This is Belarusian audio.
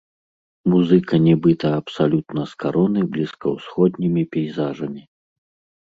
Музыка нібыта абсалютна скароны блізкаўсходнімі пейзажамі.